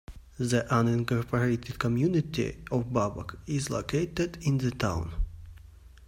The uninicorporated community of Babcock is located in the town.